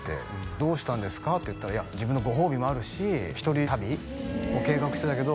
「どうしたんですか？」って言ったら「自分のご褒美もあるし一人旅を計画してたけど」